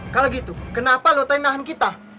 kalau gitu kenapa lo tanya nahan kita